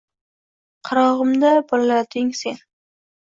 Qarogʼimda bolalading sen.